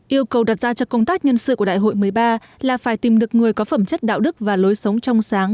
yêu cầu đặt ra cho công tác nhân sự của đại hội một mươi ba là phải tìm được người có phẩm chất đạo đức và lối sống trong sáng